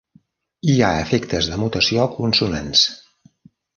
Hi ha efectes de mutació consonants.